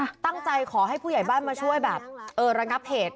ตั้งใจขอให้ผู้ใหญ่บ้านมาช่วยแบบเออระงับเหตุ